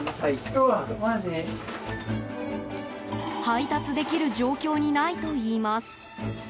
配達できる状況にないといいます。